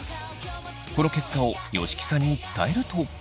この結果を吉木さんに伝えると。